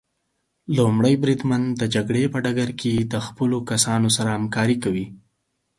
لومړی بریدمن د جګړې په ډګر کې د خپلو کسانو سره همکاري کوي.